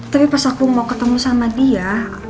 tapi pas aku mau ketemu sama dia